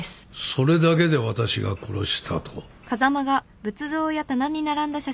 それだけで私が殺したと？